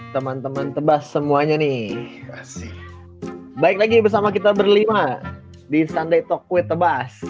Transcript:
teman teman tebas semuanya nih asyik baik lagi bersama kita berlima di sunday talk with tebas